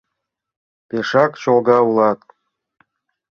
— Пешак чолга улат.